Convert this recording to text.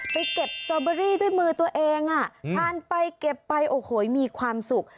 ไปเก็บสตรอเบอรี่ด้วยมือตัวเองอ่ะทานไปเก็บไปโอ้โหมีความสุข